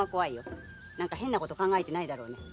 何か変なこと考えてないかい？